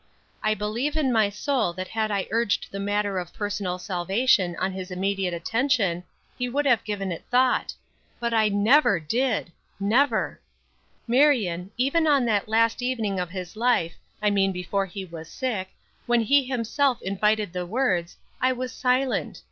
I believe in my soul that had I urged the matter of personal salvation on his immediate attention, he would have given it thought. But I never did never. "Marion, even on that last evening of his life I mean before he was sick when he himself invited the words, I was silent.